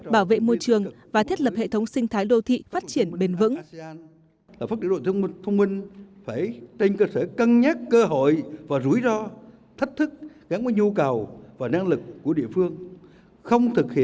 bảo vệ môi trường và thiết lập hệ thống sinh thái đô thị phát triển bền vững